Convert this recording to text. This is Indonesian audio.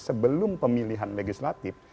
sebelum pemilihan legislatif